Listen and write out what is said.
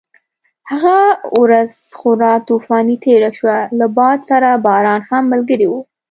هغه ورځ خورا طوفاني تېره شوه، له باد سره باران هم ملګری و.